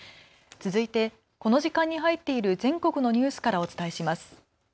続いてこの時間に入っている全国のニュースからお伝えします。